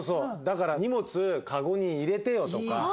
だから「荷物カゴに入れてよ」とか。